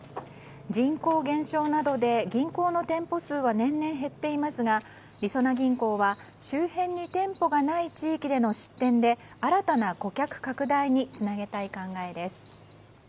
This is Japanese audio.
人口減少などで銀行の店舗数は年々減っていますがりそな銀行は周辺に店舗がない地域での出店で新たな顧客拡大につなげたい考えです。